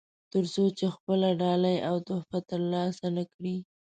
تر څو چې خپله ډالۍ او تحفه ترلاسه نه کړي.